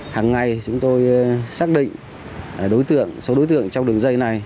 hằng ngày chúng tôi xác định số đối tượng trong đường dây này